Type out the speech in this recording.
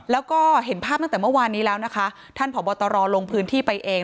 แล้วก็เห็นภาพตั้งแต่เมื่อวานนี้แล้วนะคะท่านผอบตรลงพื้นที่ไปเอง